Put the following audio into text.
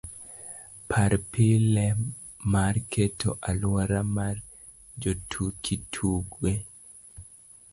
par pile mar keto aluora mar jotuki tuge